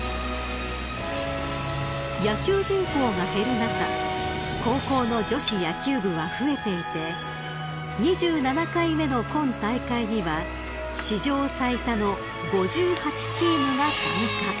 ［野球人口が減る中高校の女子野球部は増えていて２７回目の今大会には史上最多の５８チームが参加］